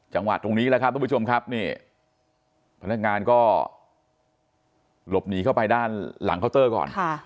จังหวัดตรงนี้แหละครับทุกผู้ชมครับนี่พนักงานก็หลบหนีเข้าไปด้านหลังเคาน์เตอร์ก่อน